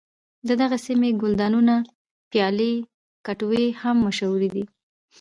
د دغې سیمې ګلدانونه پیالې کټوۍ هم مشهور دي.